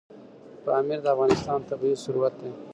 پامیر د افغانستان طبعي ثروت دی.